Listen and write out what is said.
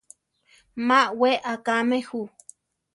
Má wé akáme jú.